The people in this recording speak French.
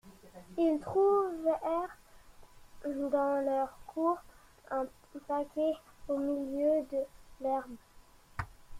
Ils trouvèrent dans leur cour un paquet au milieu de l'herbe.